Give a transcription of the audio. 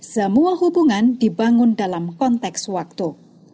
semua hubungan dibangun dalam konteks waktu